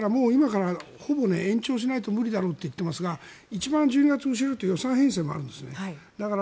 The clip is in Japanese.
だから今からほぼ、延長しないと無理だろうといっていますが１２月の最初の週は予算編成もあるんですね。